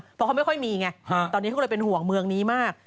เพราะเขาไม่ค่อยมีไงตอนนี้เขาก็เลยเป็นห่วงเมืองนี้มาก